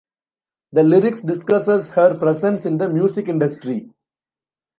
The lyrics discusses her presence in the music industry.